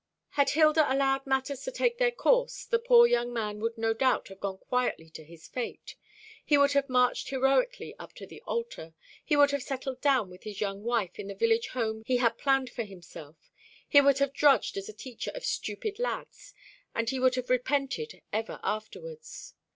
Had Hilda allowed matters to take their course, the poor young man would no doubt have gone quietly to his fate; he would have marched heroically up to the altar; he would have settled down with his young wife in the village home he had planned for himself; he would have drudged as a teacher of stupid lads; and he would have repented ever afterwards.